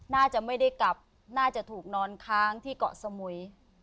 น่าจะไม่ได้กลับน่าจะถูกนอนค้างที่เกาะสมุย